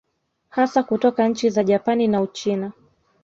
Hasa kutoka nchi za Japani na Uchina